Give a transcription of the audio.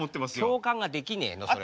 共感ができねえのそれは。